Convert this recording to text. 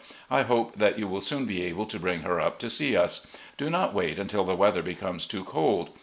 I hope that you will soon be able to bring her up to see us. Do not wait until the weather becomes too cold.